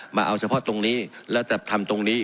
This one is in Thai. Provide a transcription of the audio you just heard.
มาเอาเฉพาะตรงนี้แล้วจะทำตรงนี้